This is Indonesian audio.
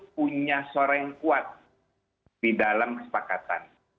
punya suara yang kuat di dalam kesepakatan